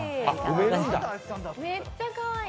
めっちゃかわいい。